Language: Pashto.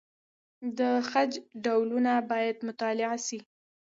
د خج ډولونه باید مطالعه سي.